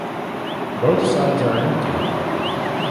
Both sides are empty.